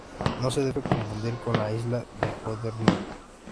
No se debe confundir con la isla de Goodenough.